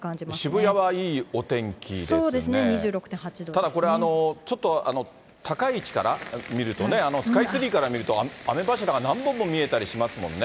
ただこれ、ちょっと高い位置から見ると、スカイツリーから見ると、雨柱が何本も見えたりしますもんね。